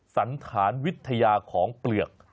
สันฐานวิทยาของเปลือก